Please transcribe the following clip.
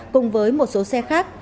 cùng với một số xe khác